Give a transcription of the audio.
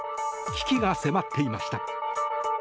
危機が迫っていました。